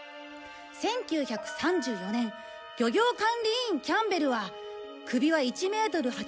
１９３４年漁業管理員キャンベルは「首は１メートル８０センチ